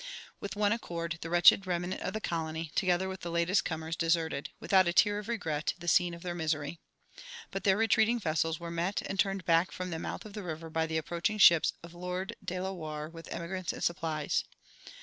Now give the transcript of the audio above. With one accord the wretched remnant of the colony, together with the latest comers, deserted, without a tear of regret, the scene of their misery. But their retreating vessels were met and turned back from the mouth of the river by the approaching ships of Lord de la Warr with emigrants and supplies.